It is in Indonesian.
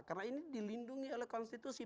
karena ini dilindungi oleh konstitusi